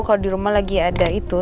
kalau di rumah lagi ada itu